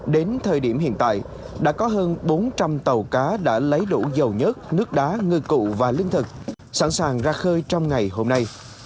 đến thời điểm hiện tại đã có hơn bốn trăm linh tàu cá đã lấy đủ dầu nhất nước đá ngư cụ và lương thực sẵn sàng ra khơi trong ngày hôm nay